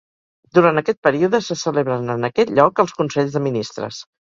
Durant aquest període se celebren en aquest lloc els consells de ministres.